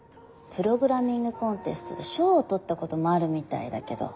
プログラミング・コンテストで賞を取ったこともあるみたいだけど。